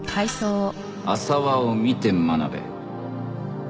浅輪を見て学べ。